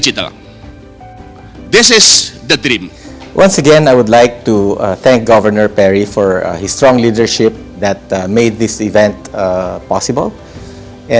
sekali lagi saya ingin mengucapkan terima kasih kepada pemerintah perry untuk pemimpinnya yang kuat yang membuat acara ini berjaya